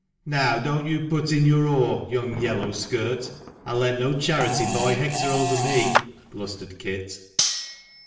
"Now don't you put in your oar, young yellow skirt. I'll let no charity boy hector over me," blustered Kit.